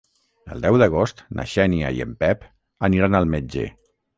El deu d'agost na Xènia i en Pep aniran al metge.